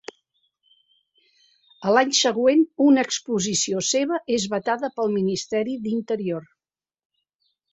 A l'any següent una exposició seva és vetada pel Ministeri d'Interior.